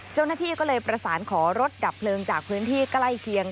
เจ้าหน้าที่ก็เลยประสานขอรถดับเพลิงจากพื้นที่ใกล้เคียง